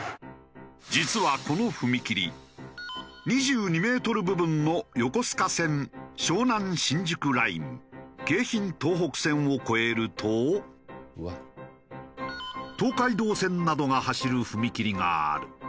実はこの踏切２２メートル部分の横須賀線湘南新宿ライン京浜東北線を越えると東海道線などが走る踏切がある。